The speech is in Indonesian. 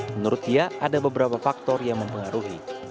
menurut dia ada beberapa faktor yang mempengaruhi